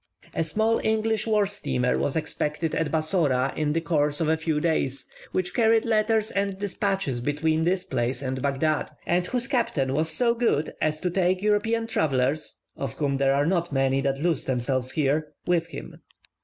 A small English war steamer was expected at Bassora in the course of a few days, which carried letters and dispatches between this place and Baghdad, and whose captain was so good as to take European travellers (of whom there are not many that lose themselves here) with him.